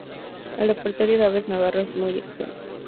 El repertorio de Aceves Navarro es muy extenso.